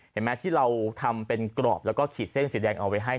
เห็นไหมที่เราทำเป็นกรอบแล้วก็ขีดเส้นสีแดงเอาไว้ให้